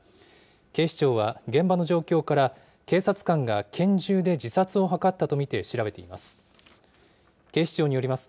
警視庁は、現場の状況から、警察官が拳銃で自殺を図ったと見て調べています。